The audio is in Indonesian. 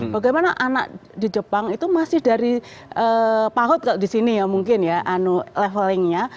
bagaimana anak di jepang itu masih dari pahut kalau di sini ya mungkin ya levelingnya